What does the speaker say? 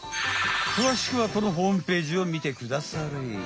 くわしくはこのホームページを見てくだされ。